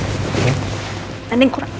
ada yang kurang